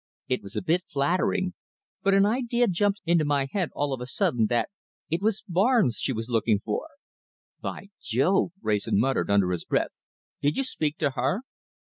It was a bit flattering, but an idea jumped into my head all of a sudden that it was Barnes she was looking for." "By Jove!" Wrayson muttered, under his breath. "Did you speak to her?"